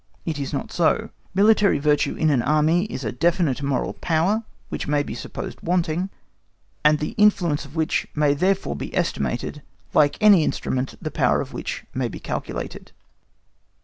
It is not so. Military virtue in an Army is a definite moral power which may be supposed wanting, and the influence of which may therefore be estimated—like any instrument the power of which may be calculated.